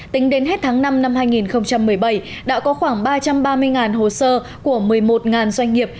tính đến hết tháng năm năm hai nghìn một mươi bảy đã có khoảng ba trăm ba mươi hồ sơ của một mươi một doanh nghiệp